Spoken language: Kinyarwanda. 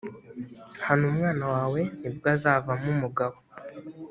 hana umwana wawe nibwo azavamo umugabo